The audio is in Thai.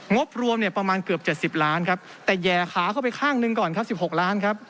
บรวมเนี่ยประมาณเกือบ๗๐ล้านครับแต่แห่ขาเข้าไปข้างหนึ่งก่อนครับ๑๖ล้านครับ